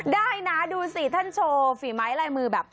ได้นะดูสิท่านโชว์ฝีไม้ลายมือแบบ